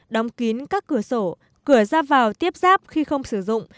đóng kín các cửa sổ cửa ra vào tiếp ráp khi không sử dụng